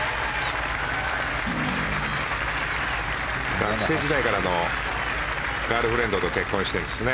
学生時代からのガールフレンドと結婚しているんですね。